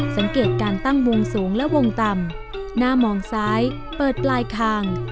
สังเกตการตั้งวงสูงและวงต่ำหน้ามองซ้ายเปิดปลายคาง